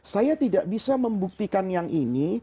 saya tidak bisa membuktikan yang ini